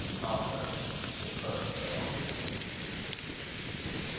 CHAUCER. The Clerk's Tale.